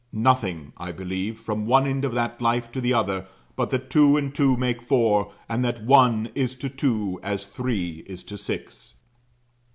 Nothing, I believe, from one end of that life to the other, but that two and two make four, and that one is to two as three is to six.